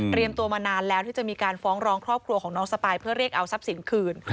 ตัวมานานแล้วที่จะมีการฟ้องร้องครอบครัวของน้องสปายเพื่อเรียกเอาทรัพย์สินคืน